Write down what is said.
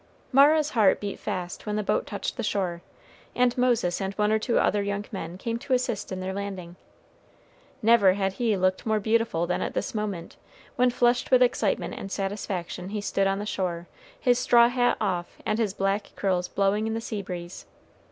Mara's heart beat fast when the boat touched the shore, and Moses and one or two other young men came to assist in their landing. Never had he looked more beautiful than at this moment, when flushed with excitement and satisfaction he stood on the shore, his straw hat off, and his black curls blowing in the sea breeze.